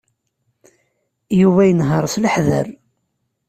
Yuba inehheṛ s leḥder.